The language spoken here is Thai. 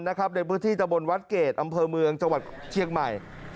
ในพื้นที่ตะบนวัดเกรดอำเภอเมืองจังหวัดเชียงใหม่